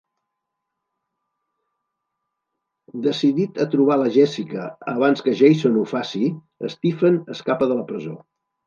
Decidit a trobar la Jessica abans que Jason ho faci, Steven escapa de la presó.